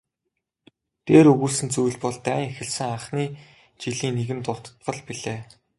Дээр өгүүлсэн зүйл бол дайн эхэлсэн анхны жилийн нэгэн дуртгал билээ.